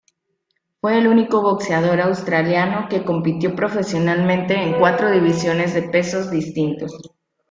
Fue el único boxeador australiano que compitió profesionalmente en cuatro divisiones de peso distintos.